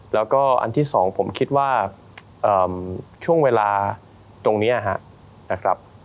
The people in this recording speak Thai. แล้วก็อันที่๒ผมคิดว่าช่วงเวลาตรงนี้นะครับ